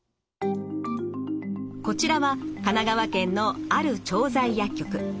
こちらは神奈川県のある調剤薬局。